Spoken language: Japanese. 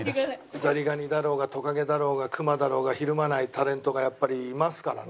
ザリガニだろうがトカゲだろうがクマだろうがひるまないタレントがやっぱりいますからね。